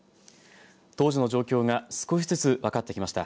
当時の状況が少しずつ分かってきました。